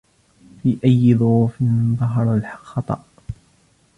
في أي ظروف ظهر الخطأ ؟